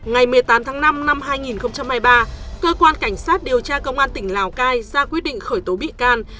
ngày một mươi tám tháng năm năm hai nghìn hai mươi ba cơ quan cảnh sát điều tra công an tỉnh lào cai ra quyết định khởi tố bị can